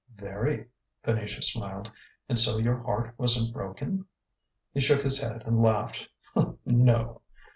"Very," Venetia smiled. "And so your heart wasn't broken?" He shook his head and laughed: "No!"